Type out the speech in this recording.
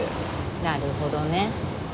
なるほどね。